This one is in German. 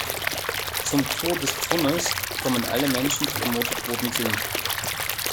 Zum „Tor des Zornes“ kommen alle Menschen, die ermordet worden sind.